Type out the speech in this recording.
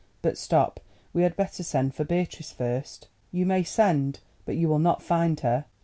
But stop, we had better send for Beatrice first." "You may send, but you will not find her."